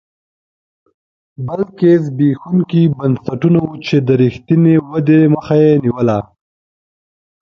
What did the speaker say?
بلکې زبېښونکي بنسټونه وو چې د رښتینې ودې مخه یې نیوله